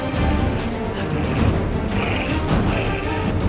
kita tak mau pak